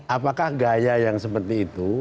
apakah gaya yang seperti itu